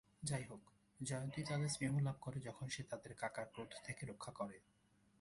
যাইহোক, জয়ন্তী তাদের স্নেহ লাভ করে যখন সে তাদের কাকার ক্রোধ থেকে রক্ষা করে।